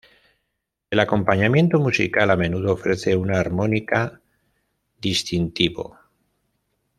El acompañamiento musical a menudo ofrece una armónica distintivo.